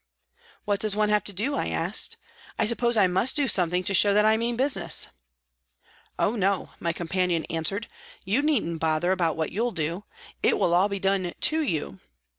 " What does one have to do ?" I asked. " I suppose I must do something to show that I mean business." " Oh, no," my companion answered, " you needn't bother about what you'll do. It will all be done to you.